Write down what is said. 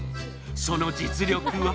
その実力は？